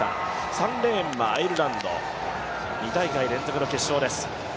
３レーンはアイルランド、２大会連続の決勝です。